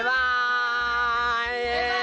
บ๊าย